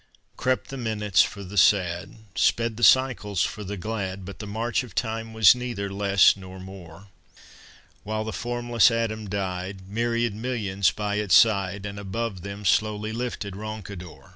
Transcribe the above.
Crept the minutes for the sad, Sped the cycles for the glad, But the march of time was neither less nor more; While the formless atom died, Myriad millions by its side, And above them slowly lifted Roncador.